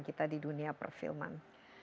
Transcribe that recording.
kita di dunia perfilman